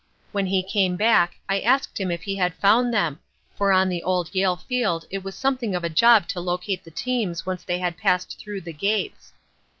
When he came back I asked him if he had found them, for on the old Yale Field it was something of a job to locate the teams once they had passed through the gates.